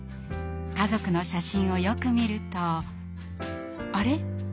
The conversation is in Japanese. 家族の写真をよく見るとあれ？